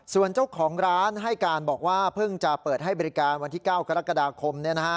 ส่วนเจ้าของร้านให้การบอกว่าเพิ่งจะเปิดให้บริการวันที่๙กรกฎาคม